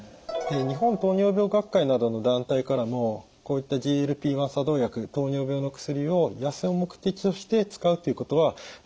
日本糖尿病学会などの団体からもこういったＧＬＰ−１作動薬糖尿病の薬を痩せる目的として使うということは推奨されていません。